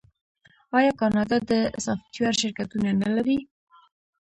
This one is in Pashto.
آیا کاناډا د سافټویر شرکتونه نلري؟